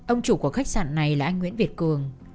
ông chủ của khách sạn này là anh nguyễn việt cường